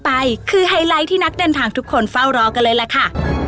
ไปคือไฮไลท์ที่นักเดินทางทุกคนเฝ้ารอกันเลยล่ะค่ะ